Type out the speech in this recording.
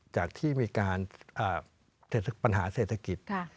จากที่มีการปัญหาเศรษฐกิจ